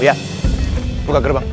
ria buka gerbang